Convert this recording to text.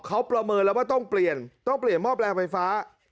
เขาประเมินแล้วว่าต้องเปลี่ยนต้องเปลี่ยนหม้อแปลงไฟฟ้า